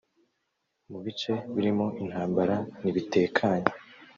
mu bice birimo intambara n’ibitekanye